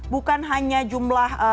bukan hanya jumlah